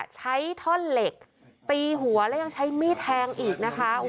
ใช้ท่อนเหล็กตีหัวแล้วยังใช้มีดแทงอีกนะคะ